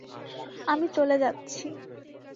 আমি চলে যাচ্ছি।